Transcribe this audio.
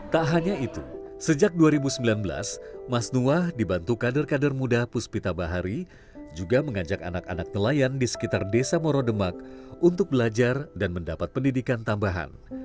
tak hanya itu sejak dua ribu sembilan belas mas nuah dibantu kader kader muda puspita bahari juga mengajak anak anak nelayan di sekitar desa morodemak untuk belajar dan mendapat pendidikan tambahan